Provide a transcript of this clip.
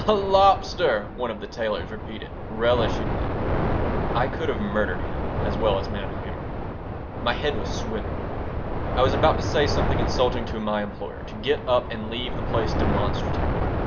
"A lobster!" one of the tailors repeated, relishingly I could have murdered him as well as Manheimer. My head was swimming. I was about to say something insulting to my employer, to get up and leave the place demonstratively.